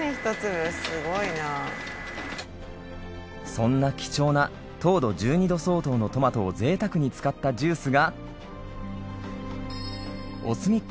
そんな貴重な糖度１２度相当のトマトを贅沢に使ったジュースが。